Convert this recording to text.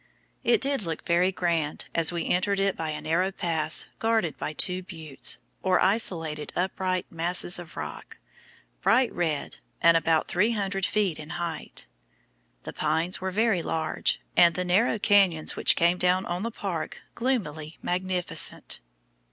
It did look very grand as we entered it by a narrow pass guarded by two buttes, or isolated upright masses of rock, bright red, and about 300 feet in height. The pines were very large, and the narrow canyons which came down on the park gloomily magnificent.